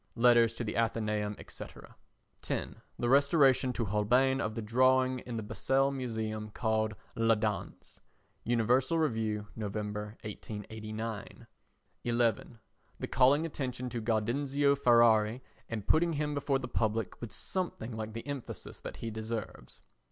[Letters to the Athenæum, &c.] 10. The restoration to Holbein of the drawing in the Basel Museum called La Danse. [Universal Review, Nov., 1889.] 11. The calling attention to Gaudenzio Ferrari and putting him before the public with something like the emphasis that he deserves.